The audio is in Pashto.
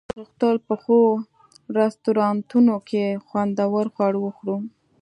موږ غوښتل په ښو رستورانتونو کې خوندور خواړه وخورو